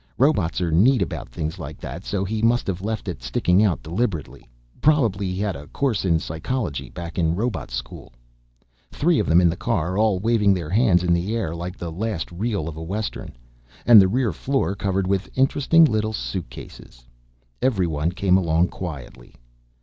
Robots are neat about things like that so he must have left it sticking out deliberate. Probably had a course in psychology back in robot school. Three of them in the car, all waving their hands in the air like the last reel of a western. And the rear floor covered with interesting little suitcases. Everyone came along quietly.